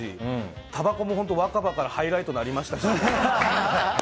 たばこも、若葉からハイライトになりましたし。